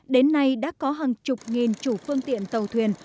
đến nay đã có hàng chục nghìn chủ phương tiện tàu thuyền